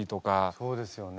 そうですよね。